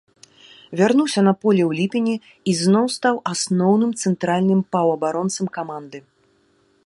Вярнуўся на поле ў ліпені і зноў стаў асноўным цэнтральным паўабаронцам каманды.